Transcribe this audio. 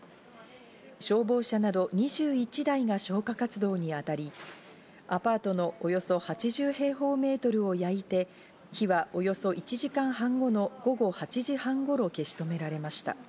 消防車など２１台が消火活動にあたり、アパートのおよそ８０平方メートルを焼いて火はおよそ１時間半後の午後８時半頃消し止められました。